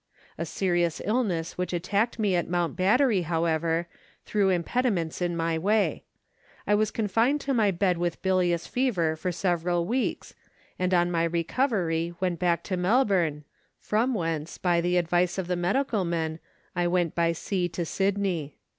A serious illness which attacked me at Mount Battery, however, threw impediments in my way. I was confined to my bed with bilious fever for several weeks, and on my recovery went back to Melbourne, from whence, by the advice of the medi cal men, I went by sea to Sydney.